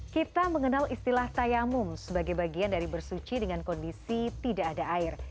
kita mengenal istilah tayamum sebagai bagian dari bersuci dengan kondisi tidak ada air